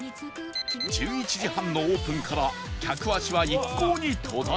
１１時半のオープンから客足は一向に途絶えない